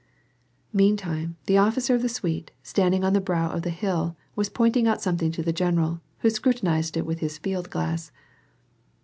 Meantime, the officer of the suite, standing on the brow of the hill, was pointing out something to the general, who scruti nized it with his fieldglass.